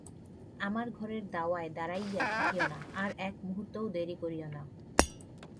আমার ঘরের দাওয়ায় দাঁড়াইয়া থাকিয়ো না–আর এক মুহূর্তও দেরি করিয়ো না।